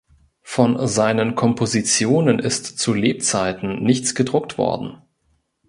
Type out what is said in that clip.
Von seinen Kompositionen ist zu Lebzeiten nichts gedruckt worden.